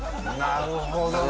なるほどね。